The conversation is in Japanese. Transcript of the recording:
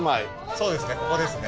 そうですね